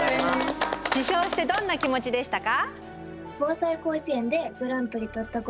受賞してどんな気持ちでしたか？